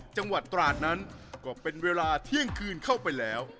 จังหวัดตราดนั้นก็เป็นเวลาเที่ยงคืนเข้าไปแล้ว